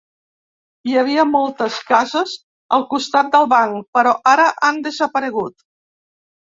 Hi havia moltes cases al costat del banc, però ara han desaparegut.